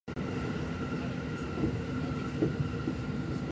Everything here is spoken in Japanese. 自然の景色が清らかで澄んでいて美しいこと。